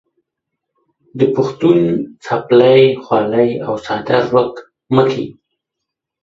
د پښتون څپلۍ، خولۍ او څادر ورک مه کې.